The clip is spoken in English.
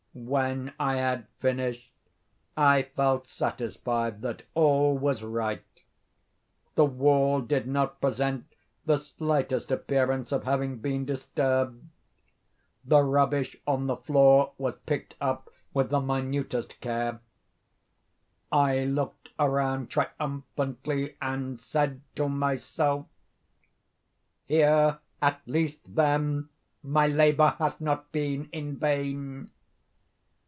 When I had finished, I felt satisfied that all was right. The wall did not present the slightest appearance of having been disturbed. The rubbish on the floor was picked up with the minutest care. I looked around triumphantly, and said to myself: "Here at least, then, my labor has not been in vain."